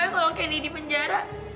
mama pokoknya kalau kenny di penjara